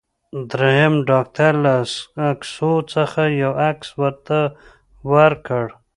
دریم ډاکټر له عکسو څخه یو عکس ورته ورکړ.